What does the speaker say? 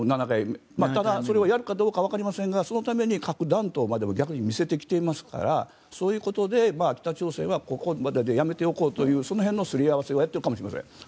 ただ、それをやるかどうかはわかりませんが、そのために核弾頭までを見せてきていますがそういうことで北朝鮮はここまででやめておこうというその辺のすり合わせはやってるかもしれません。